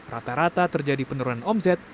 rata rata terjadi penurunan omset